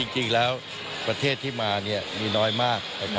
จริงแล้วประเทศที่มามีน้อยมาก